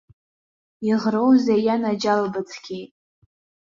Иӷроузеи, ианаџьалбацқьеит.